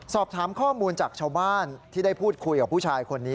สอบถามข้อมูลจากชาวบ้านที่ได้พูดคุยกับผู้ชายคนนี้